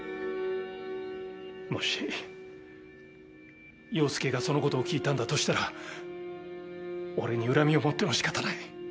もし洋介がそのことを聞いたんだとしたら俺に恨みを持っても仕方ない。